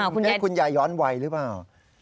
คุณยายย้อนวัยหรือเปล่า